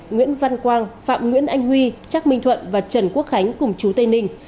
nguyễn văn quang phạm nguyễn anh huy trắc minh thuận và trần quốc khánh cùng chú tây ninh